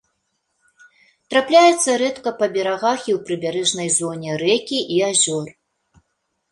Трапляецца рэдка па берагах і ў прыбярэжнай зоне рэкі і азёр.